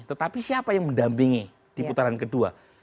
tetapi siapa yang mendampingi di putaran kedua